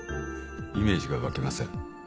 イメージが湧きません。